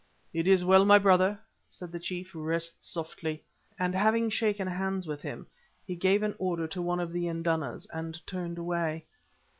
"It is well, my brother," said the chief. "Rest softly," and having shaken hands with him, he gave an order to one of the indunas, and turned away.